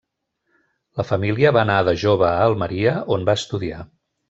La família va anar de jove a Almeria, on va estudiar.